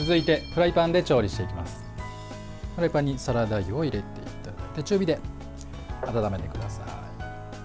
フライパンにサラダ油を入れていただいて中火で温めてください。